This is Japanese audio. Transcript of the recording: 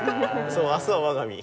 明日は我が身。